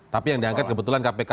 tapi yang diangkat kebetulan kpk